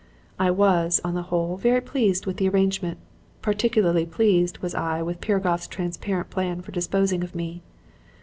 "I was, on the whole, very well pleased with the arrangement. Particularly pleased was I with Piragoff's transparent plan for disposing of me.